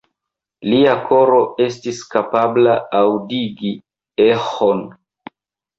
Lia koro estis kapabla aŭdigi eĥon.